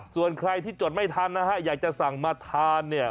ส่วนใครที่จดไม่ทันนะฮะอยากจะสั่งมาทานเนี่ย